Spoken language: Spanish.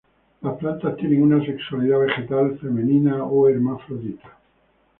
Las plantas tiene una sexualidad vegetal femenina o hermafrodita.